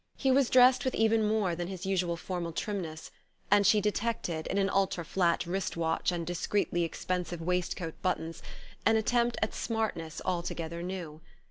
He was dressed with even more than his usual formal trimness, and she detected, in an ultra flat wrist watch and discreetly expensive waistcoat buttons, an attempt at smartness altogether new.